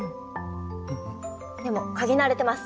でもかぎ慣れてます！